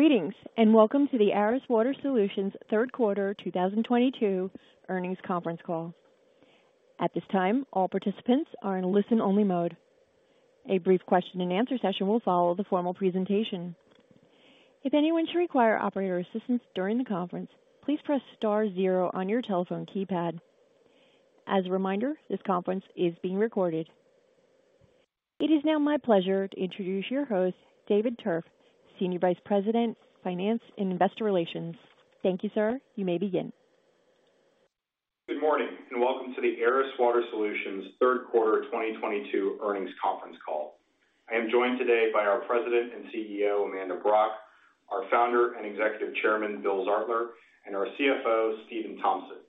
Greetings, and welcome to the Aris Water Solutions third quarter 2022 earnings conference call. At this time, all participants are in listen-only mode. A brief question-and-answer session will follow the formal presentation. If anyone should require operator assistance during the conference, please press star zero on your telephone keypad. As a reminder, this conference is being recorded. It is now my pleasure to introduce your host, David Tuerff, Senior Vice President, Finance and Investor Relations. Thank you, sir. You may begin. Good morning, and welcome to the Aris Water Solutions third quarter 2022 earnings conference call. I am joined today by our President and CEO, Amanda Brock, our founder and executive chairman, Bill Zartler, and our CFO, Stephan Tompsett.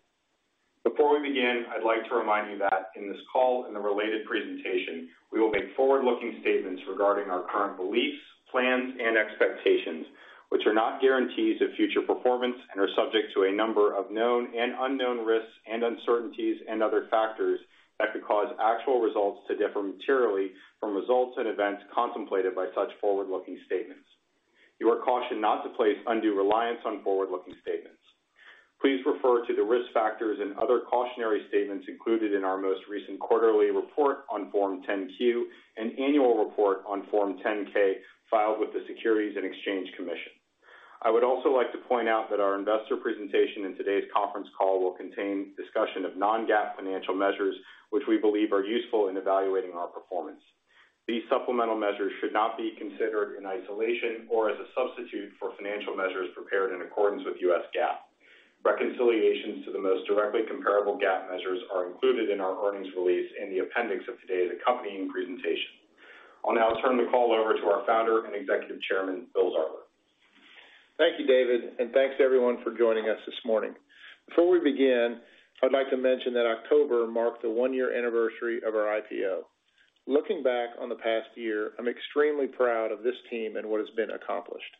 Before we begin, I'd like to remind you that in this call and the related presentation, we will make forward-looking statements regarding our current beliefs, plans, and expectations, which are not guarantees of future performance and are subject to a number of known and unknown risks and uncertainties and other factors that could cause actual results to differ materially from results and events contemplated by such forward-looking statements. You are cautioned not to place undue reliance on forward-looking statements. Please refer to the risk factors and other cautionary statements included in our most recent quarterly report on Form 10-Q and annual report on Form 10-K filed with the Securities and Exchange Commission. I would also like to point out that our investor presentation in today's conference call will contain discussion of non-GAAP financial measures, which we believe are useful in evaluating our performance. These supplemental measures should not be considered in isolation or as a substitute for financial measures prepared in accordance with U.S. GAAP. Reconciliations to the most directly comparable GAAP measures are included in our earnings release in the appendix of today's accompanying presentation. I'll now turn the call over to our founder and executive chairman, Bill Zartler. Thank you, David, and thanks to everyone for joining us this morning. Before we begin, I'd like to mention that October marked the one-year anniversary of our IPO. Looking back on the past year, I'm extremely proud of this team and what has been accomplished.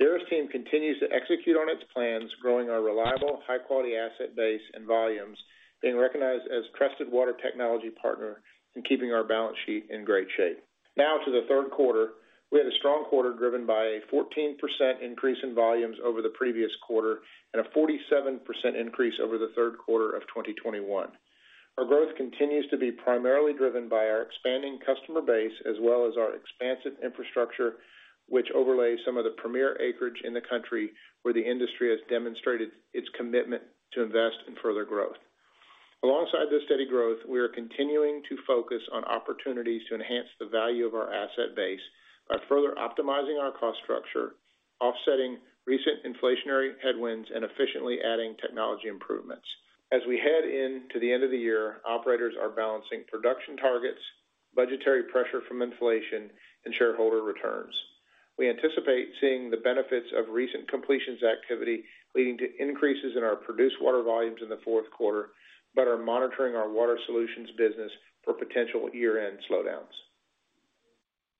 The Aris team continues to execute on its plans, growing our reliable, high-quality asset base and volumes, being recognized as a trusted water technology partner and keeping our balance sheet in great shape. Now to the third quarter. We had a strong quarter driven by a 14% increase in volumes over the previous quarter and a 47% increase over the third quarter of 2021. Our growth continues to be primarily driven by our expanding customer base as well as our expansive infrastructure, which overlays some of the premier acreage in the country where the industry has demonstrated its commitment to invest in further growth. Alongside this steady growth, we are continuing to focus on opportunities to enhance the value of our asset base by further optimizing our cost structure, offsetting recent inflationary headwinds, and efficiently adding technology improvements. As we head into the end of the year, operators are balancing production targets, budgetary pressure from inflation, and shareholder returns. We anticipate seeing the benefits of recent completions activity leading to increases in our produced water volumes in the fourth quarter, but are monitoring our water solutions business for potential year-end slowdowns.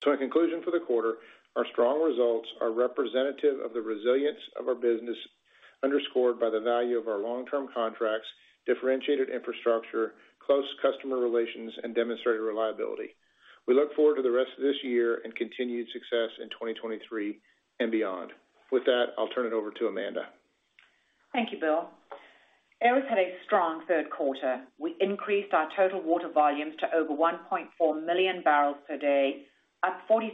In conclusion for the quarter, our strong results are representative of the resilience of our business, underscored by the value of our long-term contracts, differentiated infrastructure, close customer relations, and demonstrated reliability. We look forward to the rest of this year and continued success in 2023 and beyond. With that, I'll turn it over to Amanda. Thank you, Bill. Aris had a strong third quarter. We increased our total water volumes to over 1.4 million Barrels per day, up 47%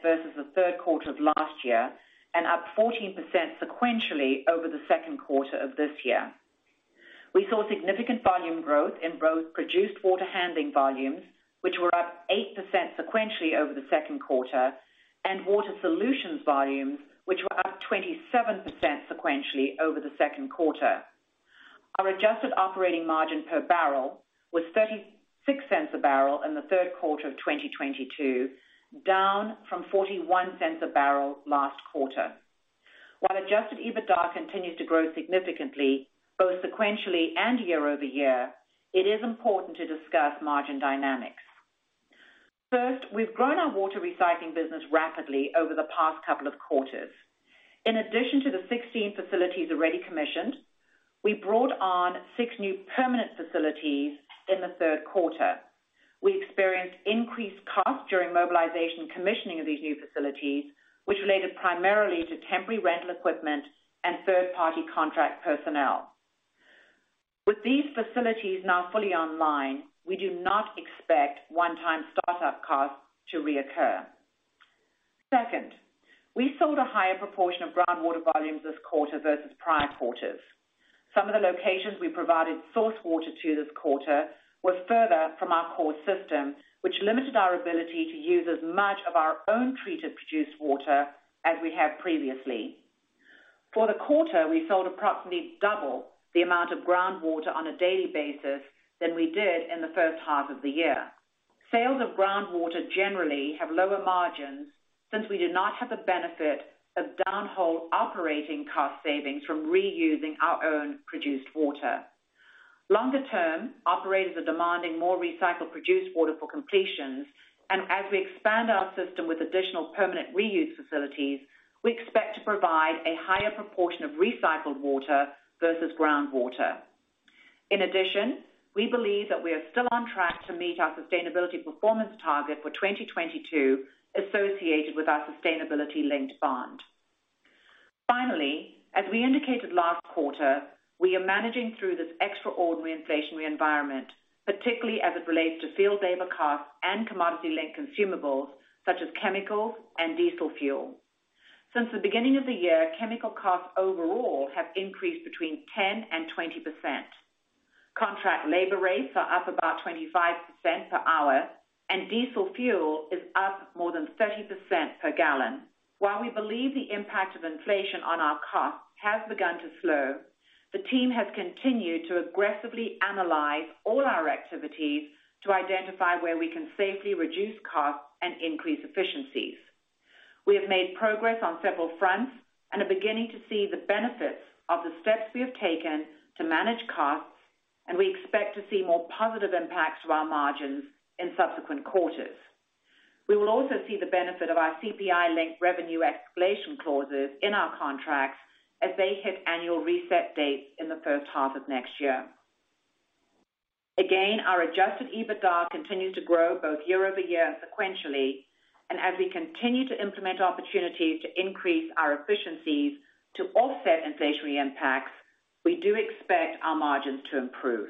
versus the third quarter of last year and up 14% sequentially over the second quarter of this year. We saw significant volume growth in both produced water handling volumes, which were up 8% sequentially over the second quarter, and water solutions volumes, which were up 27% sequentially over the second quarter. Our adjusted operating margin per barrel was $0.36 a barrel in the third quarter of 2022, down from $0.41 a barrel last quarter. While adjusted EBITDA continues to grow significantly both sequentially and year-over-year, it is important to discuss margin dynamics. First, we've grown our water recycling business rapidly over the past couple of quarters. In addition to the 16 facilities already commissioned, we brought on 6 new permanent facilities in the third quarter. We experienced increased costs during mobilization commissioning of these new facilities, which related primarily to temporary rental equipment and third-party contract personnel. With these facilities now fully online, we do not expect one-time startup costs to reoccur. Second, we sold a higher proportion of groundwater volumes this quarter versus prior quarters. Some of the locations we provided source water to this quarter were further from our core system, which limited our ability to use as much of our own treated produced water as we have previously. For the quarter, we sold approximately double the amount of groundwater on a daily basis than we did in the first half of the year. Sales of groundwater generally have lower margins since we did not have the benefit of downhole Operating Cost savings from reusing our own produced water. Longer term, operators are demanding more recycled produced water for completions, and as we expand our system with additional permanent reuse facilities, we expect to provide a higher proportion of recycled water versus groundwater. In addition, we believe that we are still on track to meet our sustainability performance target for 2022 associated with our sustainability-linked bond. Finally, as we indicated last quarter, we are managing through this extraordinary inflationary environment, particularly as it relates to field labor costs and commodity-linked consumables such as chemicals and diesel fuel. Since the beginning of the year, chemical costs overall have increased between 10% and 20%. Contract labor rates are up about 25% per hour, and diesel fuel is up more than 30% per gallon. While we believe the impact of inflation on our costs has begun to slow, the team has continued to aggressively analyze all our activities to identify where we can safely reduce costs and increase efficiencies. We have made progress on several fronts and are beginning to see the benefits of the steps we have taken to manage costs, and we expect to see more positive impacts to our margins in subsequent quarters. We will also see the benefit of our CPI-Linked revenue escalation clauses in our contracts as they hit annual reset dates in the first half of next year. Again, our adjusted EBITDA continues to grow both year-over-year and sequentially, and as we continue to implement opportunities to increase our efficiencies to offset inflationary impacts, we do expect our margins to improve.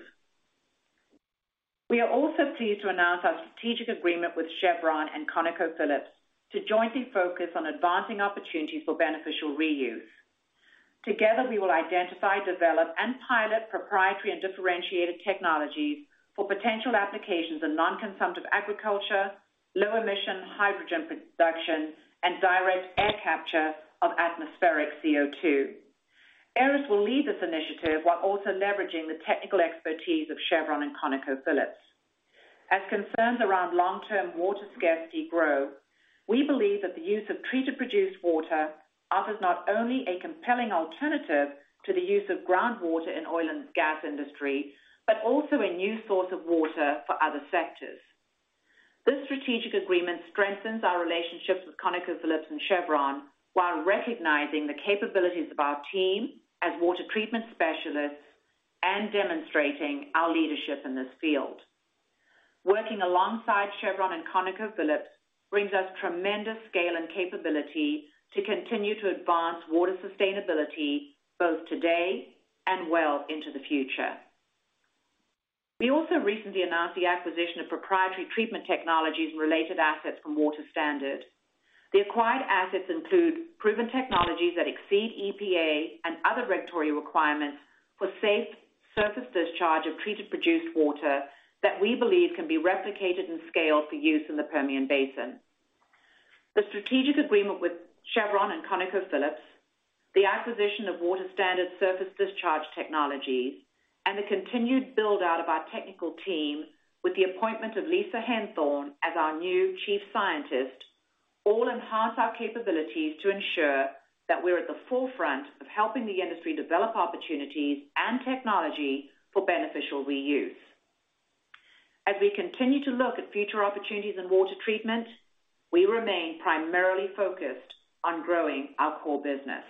We are also pleased to announce our strategic agreement with Chevron and ConocoPhillips to jointly focus on advancing opportunities for beneficial reuse. Together, we will identify, develop, and pilot proprietary and differentiated technologies for potential applications in non-consumptive agriculture, low-emission hydrogen production, and direct air capture of atmospheric CO₂. Aris will lead this initiative while also leveraging the technical expertise of Chevron and ConocoPhillips. As concerns around long-term water scarcity grow, we believe that the use of treated produced water offers not only a compelling alternative to the use of groundwater in oil and gas industry, but also a new source of water for other sectors. This strategic agreement strengthens our relationships with ConocoPhillips and Chevron while recognizing the capabilities of our team as water treatment specialists and demonstrating our leadership in this field. Working alongside Chevron and ConocoPhillips brings us tremendous scale and capability to continue to advance water sustainability both today and well into the future. We also recently announced the acquisition of proprietary treatment technologies and related assets from Water Standard. The acquired assets include proven technologies that exceed EPA and other regulatory requirements for safe surface discharge of treated produced water that we believe can be replicated and scaled for use in the Permian Basin. The strategic agreement with Chevron and ConocoPhillips, the acquisition of Water Standard surface discharge technologies, and the continued build-out of our technical team with the appointment of Lisa Henthorne as our new Chief Scientist all enhance our capabilities to ensure that we're at the forefront of helping the industry develop opportunities and technology for beneficial reuse. As we continue to look at future opportunities in water treatment, we remain primarily focused on growing our core business.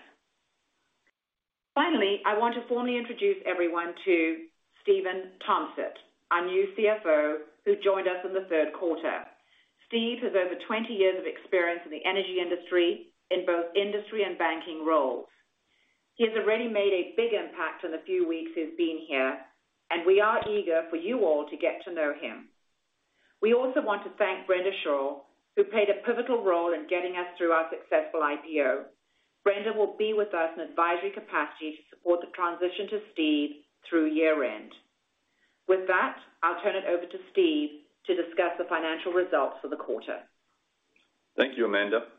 Finally, I want to formally introduce everyone to Stephan Tompsett, our new CFO, who joined us in the third quarter. Steve has over 20 years of experience in the energy industry in both industry and banking roles. He has already made a big impact in the few weeks he's been here, and we are eager for you all to get to know him. We also want to thank Brenda Schroer, who played a pivotal role in getting us through our successful IPO. Brenda will be with us in an advisory capacity to support the transition to Steve through year-end. With that, I'll turn it over to Steve to discuss the financial results for the quarter. Thank you, Amanda.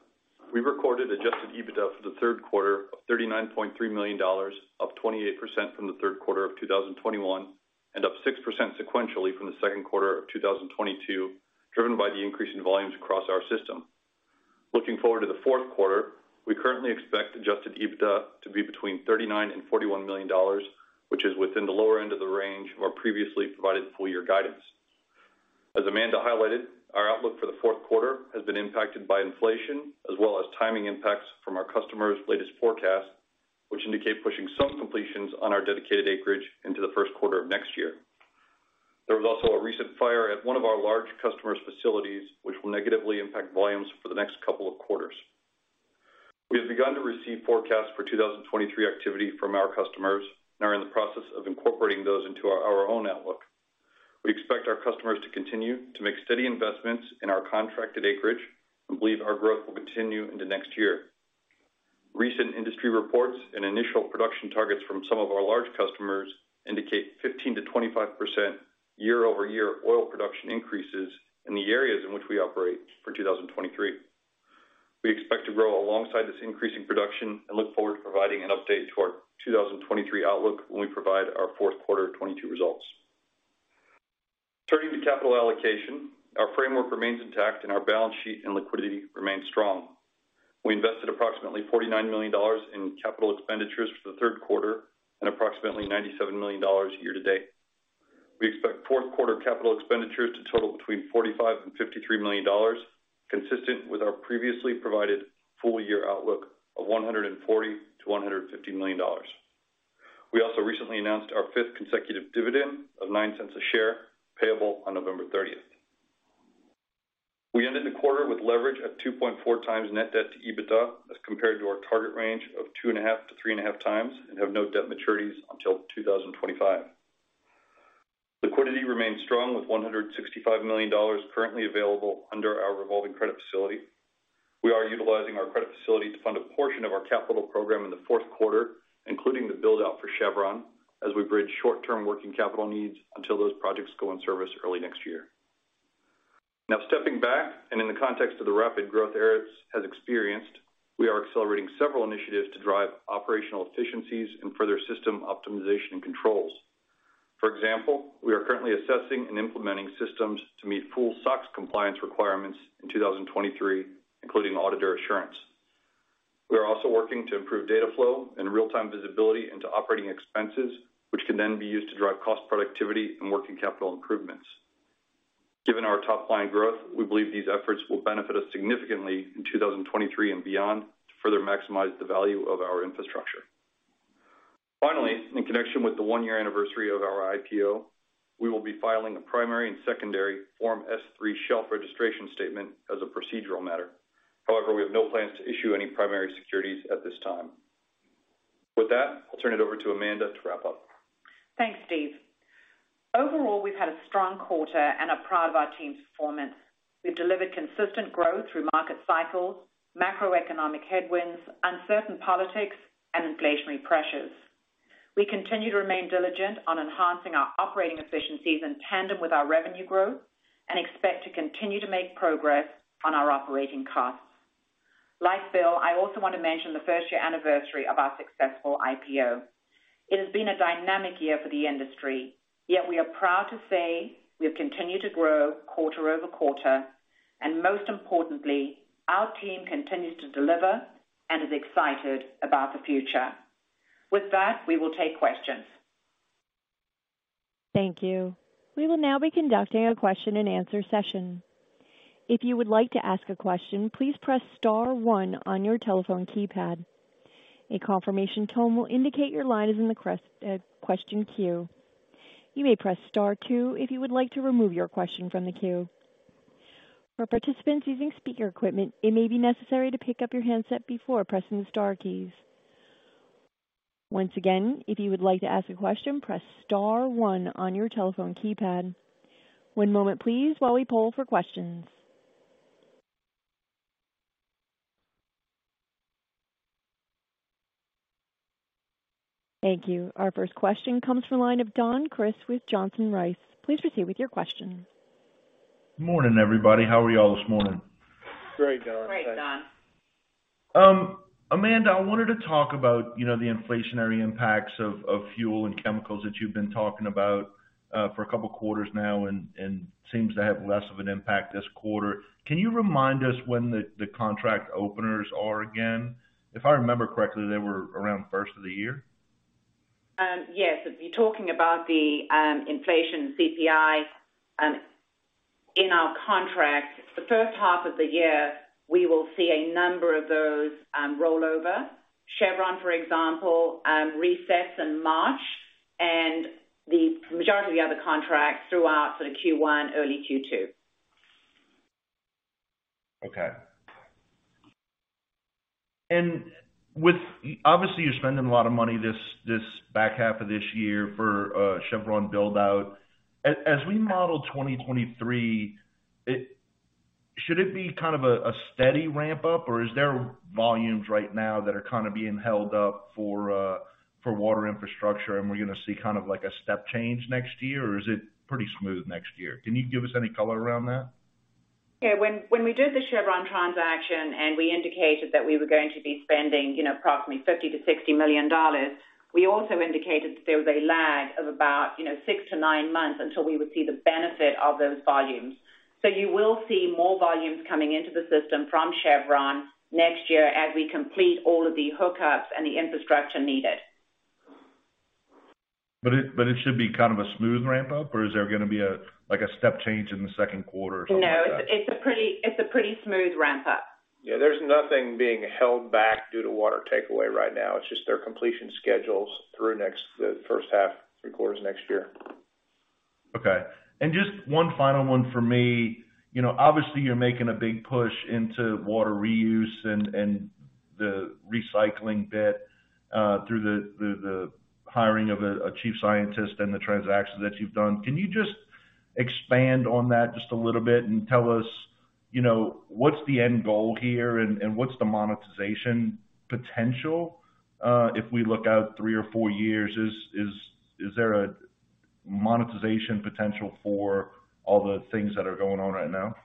We recorded adjusted EBITDA for the third quarter of $39.3 million, up 28% from the third quarter of 2021, and up 6% sequentially from the second quarter of 2022, driven by the increase in volumes across our system. Looking forward to the fourth quarter, we currently expect adjusted EBITDA to be between $39 million and $41 million, which is within the lower end of the range of our previously provided full-year guidance. As Amanda highlighted, our outlook for the fourth quarter has been impacted by inflation as well as timing impacts from our customers' latest forecasts, which indicate pushing some completions on our dedicated acreage into the first quarter of next year. There was also a recent fire at one of our large customers' facilities, which will negatively impact volumes for the next couple of quarters. We have begun to receive forecasts for 2023 activity from our customers and are in the process of incorporating those into our own outlook. We expect our customers to continue to make steady investments in our contracted acreage and believe our growth will continue into next year. Recent industry reports and initial production targets from some of our large customers indicate 15%-25% year-over-year oil production increases in the areas in which we operate for 2023. We expect to grow alongside this increase in production and look forward to providing an update to our 2023 outlook when we provide our fourth quarter 2022 results. Turning to capital allocation, our framework remains intact and our balance sheet and liquidity remain strong. We invested approximately $49 million in capital expenditures for the third quarter and approximately $97 million Year-to-Date. We expect fourth quarter capital expenditures to total between $45 million and $53 million, consistent with our previously provided full-year outlook of $140 million-$150 million. We also recently announced our fifth consecutive dividend of $0.09 a share payable on November 30. We ended the quarter with leverage at 2.4x net debt to EBITDA as compared to our target range of 2.5x-3.5x, and have no debt maturities until 2025. Liquidity remains strong with $165 million currently available under our revolving credit facility. We are utilizing our credit facility to fund a portion of our capital program in the fourth quarter, including the build out for Chevron as we bridge short-term working capital needs until those projects go in service early next year. Now, stepping back and in the context of the rapid growth Aris has experienced, we are accelerating several initiatives to drive operational efficiencies and further system optimization and controls. For example, we are currently assessing and implementing systems to meet full SOX compliance requirements in 2023, including auditor assurance. We are also working to improve data flow and real time visibility into operating expenses, which can then be used to drive cost productivity and working capital improvements. Given our top line growth, we believe these efforts will benefit us significantly in 2023 and beyond to further maximize the value of our infrastructure. Finally, in connection with the one year anniversary of our IPO, we will be filing a primary and secondary Form S-3 shelf registration statement as a procedural matter. However, we have no plans to issue any primary securities at this time. With that, I'll turn it over to Amanda to wrap up. Thanks, Steve. Overall, we've had a strong quarter and are proud of our team's performance. We've delivered consistent growth through market cycles, macroeconomic headwinds, uncertain politics, and inflationary pressures. We continue to remain diligent on enhancing our operating efficiencies in tandem with our revenue growth and expect to continue to make progress on our operating costs. Like Bill, I also want to mention the first year anniversary of our successful IPO. It has been a dynamic year for the industry, yet we are proud to say we have continued to grow quarter-over-quarter, and most importantly, our team continues to deliver and is excited about the future. With that, we will take questions. Thank you. We will now be conducting a question and answer session. If you would like to ask a question, please press star one on your telephone keypad. A confirmation tone will indicate your line is in the queue. You may press star two if you would like to remove your question from the queue. For participants using speaker equipment, it may be necessary to pick up your handset before pressing the star keys. Once again, if you would like to ask a question, press star one on your telephone keypad. One moment please while we poll for questions. Thank you. Our first question comes from the line of Don Crist with Johnson Rice. Please proceed with your question. Morning, everybody. How are you all this morning? Great, Don. Great, Don. Amanda, I wanted to talk about, you know, the inflationary impacts of fuel and chemicals that you've been talking about for a couple of quarters now and seems to have less of an impact this quarter. Can you remind us when the contract openers are again? If I remember correctly, they were around first of the year. Yes. If you're talking about the inflation CPI in our contract, the first half of the year, we will see a number of those roll over. Chevron, for example, resets in March and the majority of the other contracts throughout sort of Q1, early Q2. Okay. Obviously, you're spending a lot of money this back half of this year for Chevron build out. As we model 2023, it should it be kind of a steady ramp up? Or is there volumes right now that are kinda being held up for water infrastructure and we're gonna see kind of like a step change next year? Or is it pretty smooth next year? Can you give us any color around that? Yeah. When we did the Chevron transaction and we indicated that we were going to be spending, you know, approximately $50-$60 million, we also indicated that there was a lag of about, you know, 6-9 months until we would see the benefit of those volumes. You will see more volumes coming into the system from Chevron next year as we complete all of the hookups and the infrastructure needed. it should be kind of a smooth ramp up? Or is there gonna be a, like, a step change in the second quarter or something like that? No, it's a pretty smooth ramp up. Yeah. There's nothing being held back due to water takeaway right now. It's just their completion schedules through the first half, three quarters next year. Okay. Just one final one for me. You know, obviously you're making a big push into water reuse and the recycling bit through the hiring of a chief scientist and the transactions that you've done. Can you just expand on that just a little bit and tell us, you know, what's the end goal here and what's the monetization potential if we look out three or four years? Is there a monetization potential for all the things that are going on right now?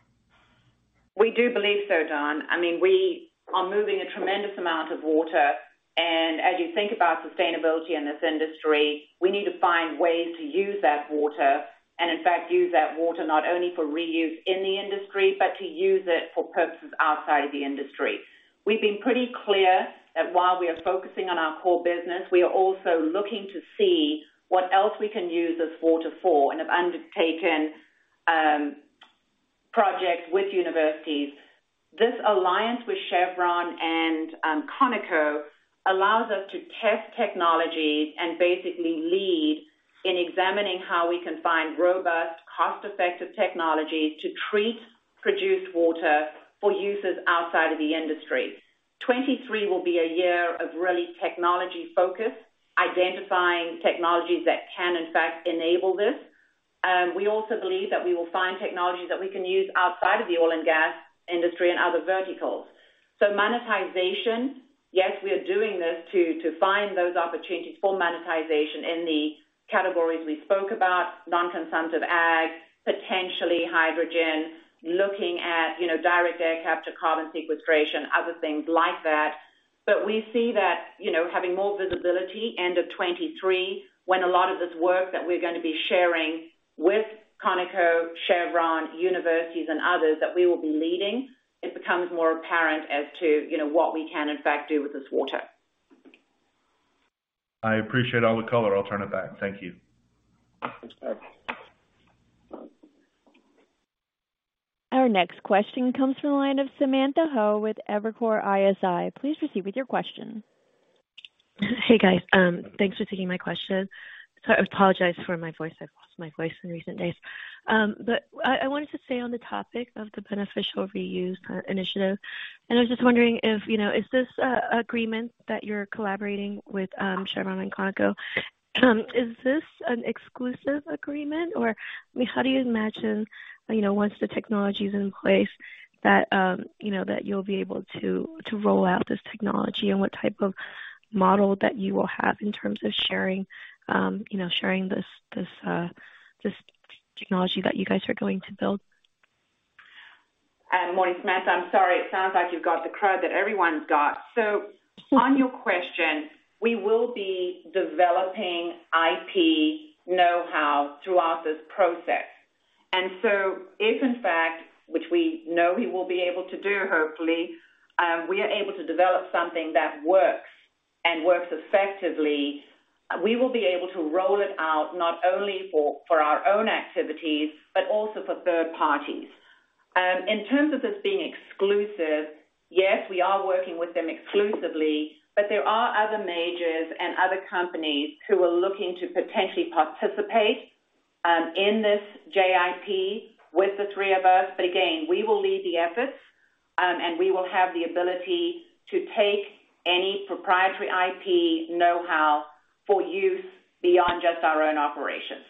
We do believe so, Don. I mean, we are moving a tremendous amount of water. As you think about sustainability in this industry, we need to find ways to use that water and in fact, use that water not only for reuse in the industry, but to use it for purposes outside of the industry. We've been pretty clear that while we are focusing on our core business, we are also looking to see what else we can use this water for and have undertaken project with universities. This alliance with Chevron and Conoco allows us to test technologies and basically lead in examining how we can find robust, cost-effective technologies to treat produced water for uses outside of the industry. 2023 will be a year of really technology focus, identifying technologies that can in fact enable this. We also believe that we will find technologies that we can use outside of the oil and gas industry and other verticals. Monetization, yes, we are doing this to find those opportunities for monetization in the categories we spoke about, non-consumptive ag, potentially hydrogen, looking at, you know, direct air capture, carbon sequestration, other things like that. We see that, you know, having more visibility end of 2023 when a lot of this work that we're gonna be sharing with Conoco, Chevron, universities, and others that we will be leading, it becomes more apparent as to, you know, what we can in fact do with this water. I appreciate all the color. I'll turn it back. Thank you. Thanks, Don. Our next question comes from the line of Samantha Hoh with Evercore ISI. Please proceed with your question. Hey, guys. Thanks for taking my question. I apologize for my voice. I've lost my voice in recent days. But I wanted to stay on the topic of the beneficial reuse initiative. I was just wondering if, you know, is this agreement that you're collaborating with Chevron and ConocoPhillips, is this an exclusive agreement? Or, I mean, how do you imagine, you know, once the technology is in place that, you know, that you'll be able to to roll out this technology and what type of model that you will have in terms of sharing, you know, sharing this technology that you guys are going to build? Morning, Samantha. I'm sorry. It sounds like you've got the crud that everyone's got. On your question, we will be developing IP know-how throughout this process. If in fact, which we know we will be able to do, we are able to develop something that works and works effectively, we will be able to roll it out not only for our own activities, but also for third parties. In terms of this being exclusive, yes, we are working with them exclusively, but there are other majors and other companies who are looking to potentially participate in this JIP with the three of us. Again, we will lead the efforts, and we will have the ability to take any proprietary IP know-how for use beyond just our own operations.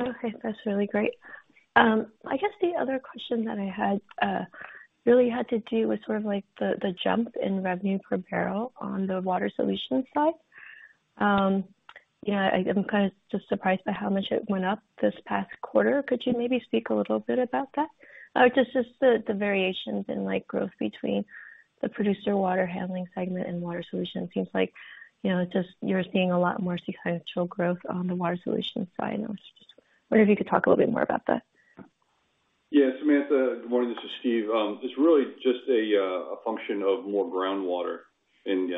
Okay. That's really great. I guess the other question that I had really had to do with sort of like the jump in revenue per barrel on the water solutions side. Yeah, I'm kinda just surprised by how much it went up this past quarter. Could you maybe speak a little bit about that? Just the variations in like growth between the producer water handling segment and water solutions. Seems like, you know, just you're seeing a lot more sequential growth on the water solutions side. I was just wondering if you could talk a little bit more about that. Yeah, Samantha. Good morning. This is Steve. It's really just a function of more groundwater and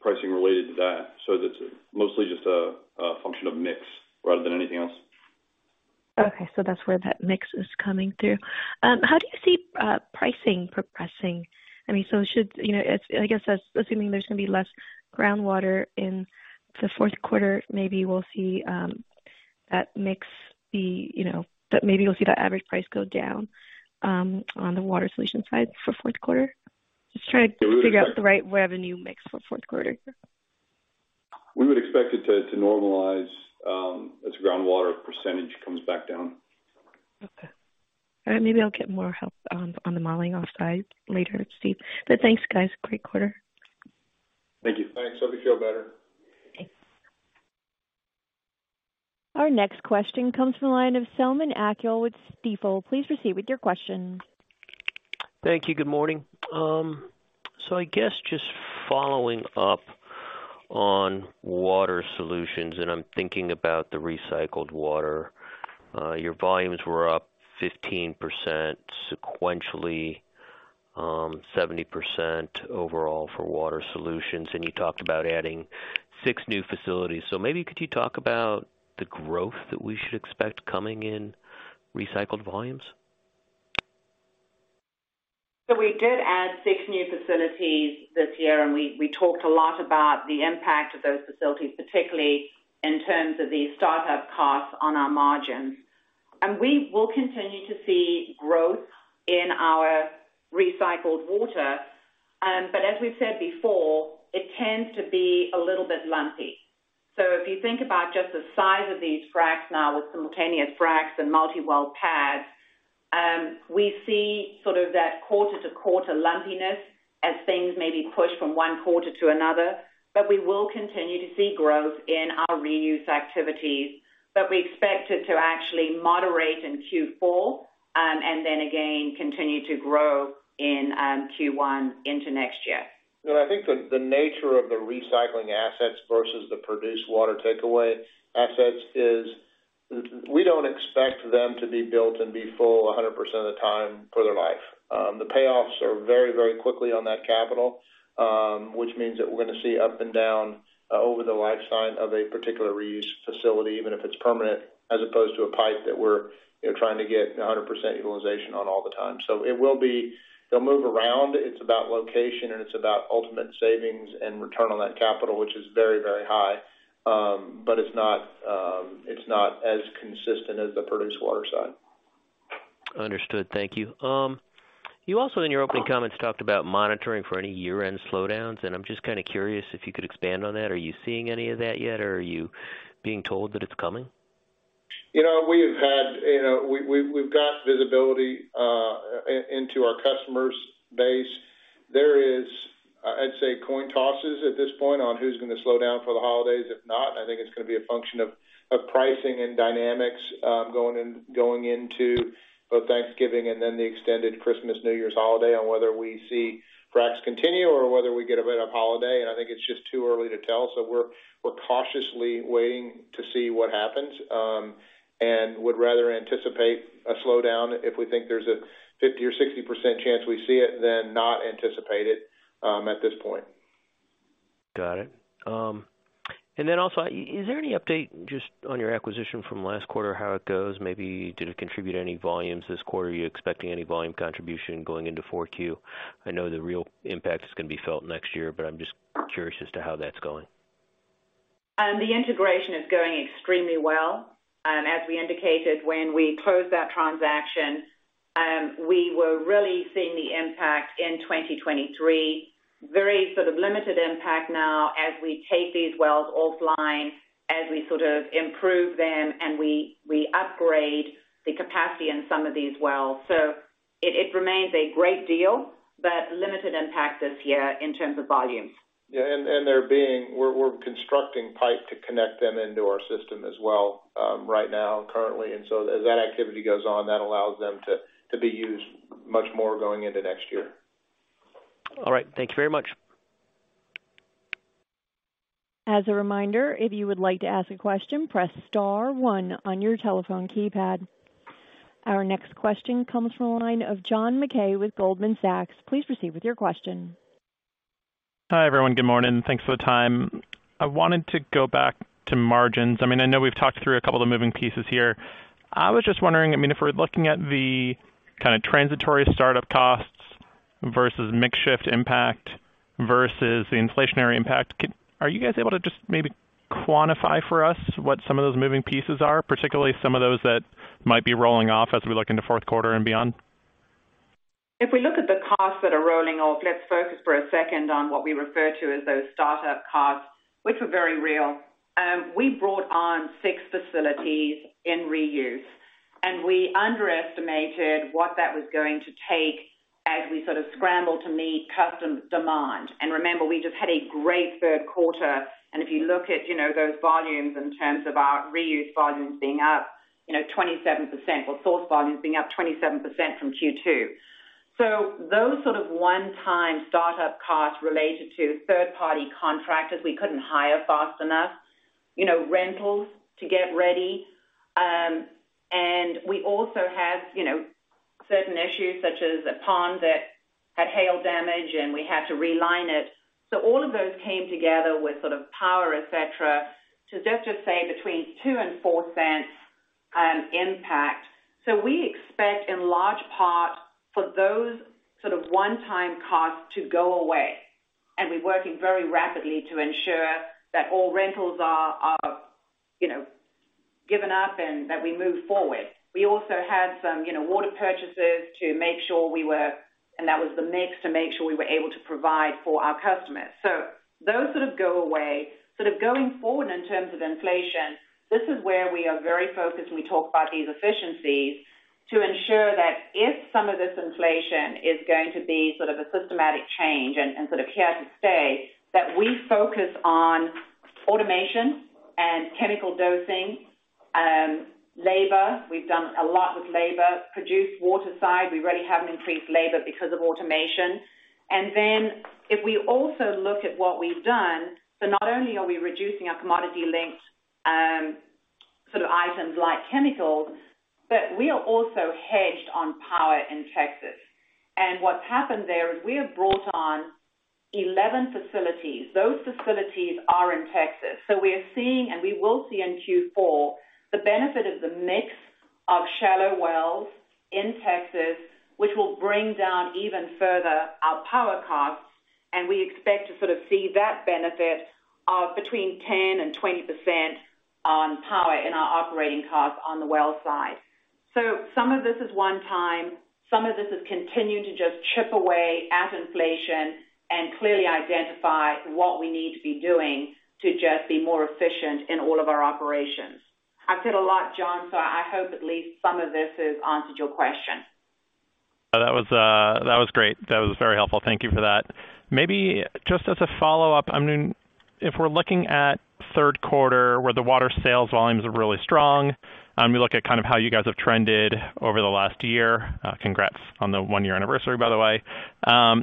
pricing related to that. That's mostly just a function of mix rather than anything else. Okay. That's where that mix is coming through. How do you see pricing progressing? I mean, should you know, it's I guess that's assuming there's gonna be less groundwater in the fourth quarter. Maybe we'll see that mix be. That maybe you'll see that average price go down on the water solution side for fourth quarter. Just trying to figure out the right revenue mix for fourth quarter. We would expect it to normalize, as groundwater percentage comes back down. Okay. All right. Maybe I'll get more help on the modeling offline later, Steve. Thanks, guys. Great quarter. Thank you. Thanks. Hope you feel better. Okay. Our next question comes from the line of Selman Akyol with Stifel. Please proceed with your question. Thank you. Good morning. I guess just following up on water solutions, and I'm thinking about the recycled water. Your volumes were up 15% sequentially, 70% overall for water solutions, and you talked about adding six new facilities. Maybe you could talk about the growth that we should expect coming in recycled volumes? We did add six new facilities this year, and we talked a lot about the impact of those facilities, particularly in terms of the startup costs on our margins. We will continue to see growth in our recycled water. As we've said before, it tends to be a little bit lumpy. If you think about just the size of these fracs now with simultaneous fracs and multi-well pads, we see sort of that quarter-to-quarter lumpiness as things may be pushed from one quarter to another. We will continue to see growth in our reuse activities. We expect it to actually moderate in Q4, and then again continue to grow in Q1 into next year. I think the nature of the recycling assets versus the produced water takeaway assets is We don't expect them to be built and be full 100% of the time for their life. The payoffs are very, very quickly on that capital, which means that we're gonna see up and down over the lifetime of a particular reuse facility, even if it's permanent, as opposed to a pipe that we're, you know, trying to get 100% utilization on all the time. They'll move around. It's about location, and it's about ultimate savings and return on that capital, which is very, very high. It's not as consistent as the produced water side. Understood. Thank you. You also, in your opening comments, talked about monitoring for any year-end slowdowns, and I'm just kind of curious if you could expand on that. Are you seeing any of that yet, or are you being told that it's coming? You know, we've got visibility into our customer base. It's a coin toss at this point on who's gonna slow down for the holidays. If not, I think it's gonna be a function of pricing and dynamics going into both Thanksgiving and then the extended Christmas/New Year's holiday on whether we see fracs continue or whether we get a bit of holiday. I think it's just too early to tell. We're cautiously waiting to see what happens and would rather anticipate a slowdown if we think there's a 50% or 60% chance we see it than not anticipate it at this point. Got it. Then also, is there any update just on your acquisition from last quarter, how it goes? Maybe did it contribute any volumes this quarter? Are you expecting any volume contribution going into 4Q? I know the real impact is gonna be felt next year, but I'm just curious as to how that's going. The integration is going extremely well. As we indicated when we closed that transaction, we were really seeing the impact in 2023. Very sort of limited impact now as we take these wells offline, as we sort of improve them and we upgrade the capacity in some of these wells. It remains a great deal, but limited impact this year in terms of volumes. We're constructing pipe to connect them into our system as well, right now, currently. As that activity goes on, that allows them to be used much more going into next year. All right. Thank you very much. As a reminder, if you would like to ask a question, press star one on your telephone keypad. Our next question comes from the line of John Mackay with Goldman Sachs. Please proceed with your question. Hi, everyone. Good morning. Thanks for the time. I wanted to go back to margins. I mean, I know we've talked through a couple of moving pieces here. I was just wondering, I mean, if we're looking at the kind of transitory startup costs versus mix shift impact versus the inflationary impact, are you guys able to just maybe quantify for us what some of those moving pieces are, particularly some of those that might be rolling off as we look into fourth quarter and beyond? If we look at the costs that are rolling off, let's focus for a second on what we refer to as those startup costs, which were very real. We brought on six facilities in reuse, and we underestimated what that was going to take as we sort of scrambled to meet custom demand. Remember, we just had a great third quarter, and if you look at, you know, those volumes in terms of our reuse volumes being up, you know, 27%, or source volumes being up 27% from Q2. Those sort of one-time startup costs related to third-party contractors, we couldn't hire fast enough, you know, rentals to get ready. We also had, you know, certain issues such as a pond that had hail damage, and we had to reline it. All of those came together with sort of power, et cetera, to say between $0.02 and $0.04 impact. We expect in large part for those sort of one-time costs to go away. We're working very rapidly to ensure that all rentals are, you know, given up and that we move forward. We also had some, you know, water purchases, and that was the mix to make sure we were able to provide for our customers. Those sort of go away. Sort of going forward in terms of inflation, this is where we are very focused, and we talk about these efficiencies to ensure that if some of this inflation is going to be sort of a systematic change and sort of here to stay, that we focus on automation and chemical dosing, labor. We've done a lot with labor. Produced water side, we already have an increased labor because of automation. Then if we also look at what we've done, so not only are we reducing our commodity-linked, sort of items like chemicals, but we are also hedged on power in Texas. What's happened there is we have brought on 11 facilities. Those facilities are in Texas. We are seeing, and we will see in Q4, the benefit of the mix of shallow wells in Texas, which will bring down even further our power costs, and we expect to sort of see that benefit of between 10% and 20% on power in our operating costs on the well side. Some of this is one-time. Some of this is continuing to just chip away at inflation and clearly identify what we need to be doing to just be more efficient in all of our operations. I've said a lot, John, so I hope at least some of this has answered your question. That was great. That was very helpful. Thank you for that. Maybe just as a follow-up, I mean, if we're looking at third quarter where the water sales volumes are really strong, we look at kind of how you guys have trended over the last year. Congrats on the one-year anniversary, by the way.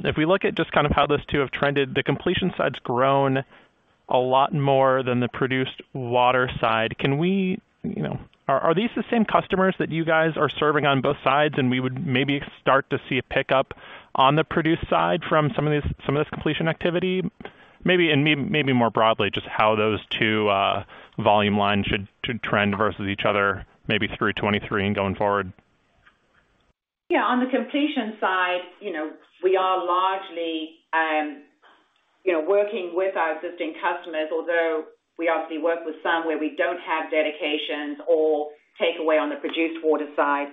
If we look at just kind of how those two have trended, the completion side's grown a lot more than the produced water side. Can we? Are these the same customers that you guys are serving on both sides, and we would maybe start to see a pickup on the produced side from some of this completion activity? Maybe and maybe more broadly, just how those two volume lines should trend versus each other, maybe through 2023 and going forward. Yeah, on the completion side, you know, we are largely, you know, working with our existing customers, although we obviously work with some where we don't have dedications or take away on the produced water side.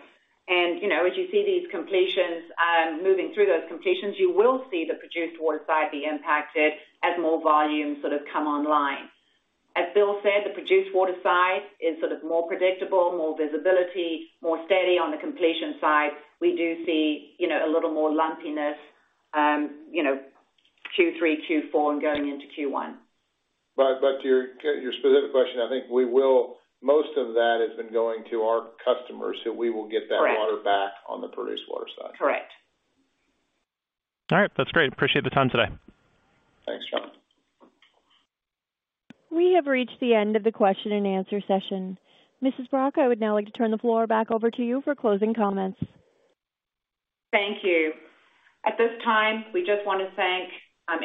You know, as you see these completions and moving through those completions, you will see the produced water side be impacted as more volumes sort of come online. As Bill said, the produced water side is sort of more predictable, more visibility, more steady. On the completion side, we do see, you know, a little more lumpiness, you know, Q3, Q4, and going into Q1. To your specific question, I think we will. Most of that has been going to our customers, so we will get that. Correct. water back on the produced water side. Correct. All right. That's great. Appreciate the time today. Thanks, John Mackay. We have reached the end of the question-and-answer session. Mrs. Brock, I would now like to turn the floor back over to you for closing comments. Thank you. At this time, we just wanna thank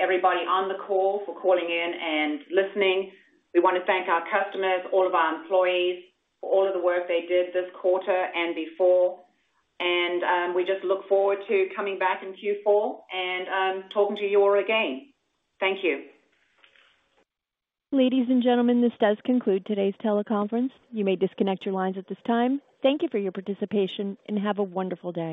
everybody on the call for calling in and listening. We wanna thank our customers, all of our employees for all of the work they did this quarter and before. We just look forward to coming back in Q4 and talking to you all again. Thank you. Ladies and gentlemen, this does conclude today's teleconference. You may disconnect your lines at this time. Thank you for your participation, and have a wonderful day.